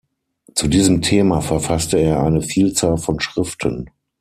Zu diesem Thema verfasste er eine Vielzahl von Schriften.